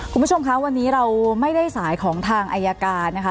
คุณผู้ชมคะวันนี้เราไม่ได้สายของทางอายการนะคะ